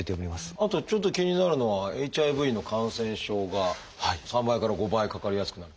あとちょっと気になるのはＨＩＶの感染症が３倍から５倍かかりやすくなる。